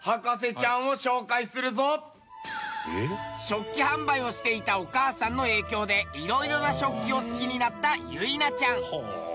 食器販売をしていたお母さんの影響でいろいろな食器を好きになった唯南ちゃん。